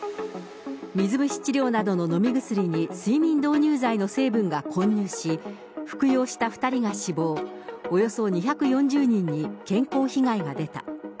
水虫治療などの飲み薬に睡眠導入剤の成分が混入し、服用した２人が死亡、およそ２４０人に健康被害が出た。